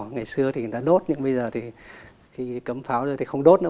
ngày xưa thì người ta đốt nhưng bây giờ thì khi cấm pháo rồi thì không đốt nữa